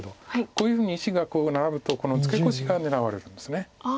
こういうふうに石がナラブとこのツケコシが狙われるんです。